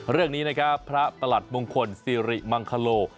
เรื่องนี้นะครับพระประหลัดมงคลสิริมังคโล